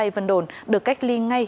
vân đồn được cách ly ngay